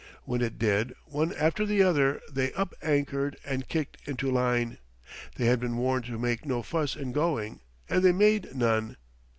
When it did, one after the other they up anchored and kicked into line. They had been warned to make no fuss in going, and they made none.